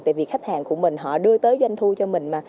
tại vì khách hàng của mình họ đưa tới doanh thu cho mình mà